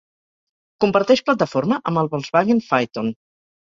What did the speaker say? Comparteix plataforma amb el Volkswagen Phaeton.